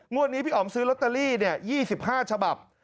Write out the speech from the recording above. งวดนี้พี่อ๋อมซื้อโรตเตอรี่เนี่ย๒๕ฉบับ